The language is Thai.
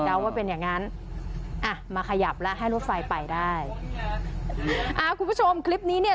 ว่าเป็นอย่างงั้นอ่ะมาขยับแล้วให้รถไฟไปได้อ่าคุณผู้ชมคลิปนี้เนี่ย